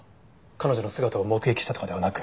彼女の姿を目撃したとかではなく。